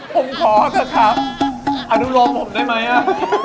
ผมขอเถอะครับอนุโลมผมได้ไหมอ่ะ